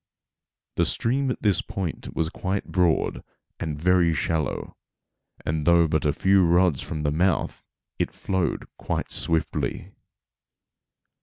The stream at this point was quite broad and very shallow, and though but a few rods from the mouth it flowed quite swiftly.